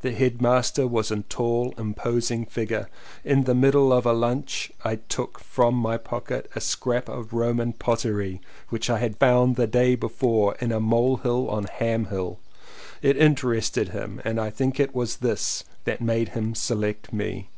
The headmaster was a tall imposing figure. In the middle of lunch I took from my pocket a scrap of Roman pottery which I had found the day before in a mole hill on Ham Hill. It interested him and I think it was this that made him select me.